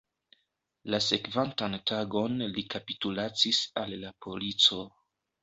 La sekvantan tagon li kapitulacis al la polico.